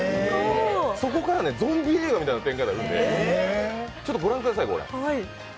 そこからゾンビ映画みたいに展開になるんで、御覧ください。